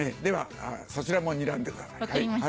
ではそちらもにらんでください。